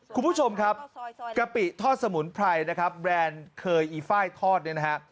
คุณผู้ชมครับกะปิทอดสมุนไพรนะครับแบรนด์เคยอีไฟล์ทอดเนี่ยนะฮะ